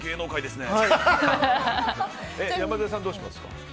山添さんはどうしますか？